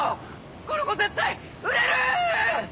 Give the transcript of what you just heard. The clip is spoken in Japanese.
この子絶対売れる！